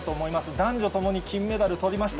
男女ともに金メダルとりました。